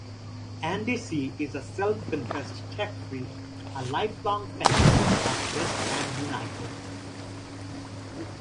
Andy C is a self-confessed tech freak, a lifelong fan of West Ham United.